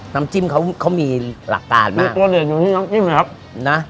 น้ำจิ้มเขาเขามีหลักการมีตัวเหลืองอยู่ที่น้ำจิ้มนะครับนะ